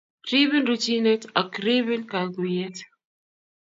Riibin ruchiinet, ak riibin kaguiyet